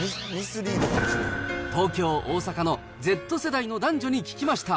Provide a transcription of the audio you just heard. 東京、大阪のＺ世代の男女に聞きました。